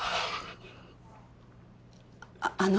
あの。